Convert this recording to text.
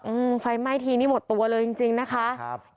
อืมไฟไหม้ทีนี่หมดตัวเลยจริงนะคะ